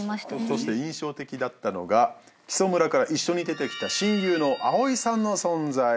そして印象的だったのが木祖村から一緒に出てきた親友の葵生さんの存在。